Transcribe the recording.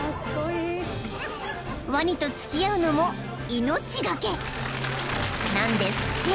［ワニと付き合うのも命懸けなんですって］